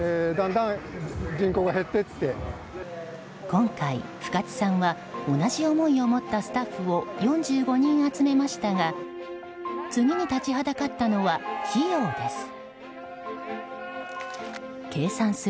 今回、深津さんは同じ思いを持ったスタッフを４５人集めましたが次に立ちはだかったのは費用です。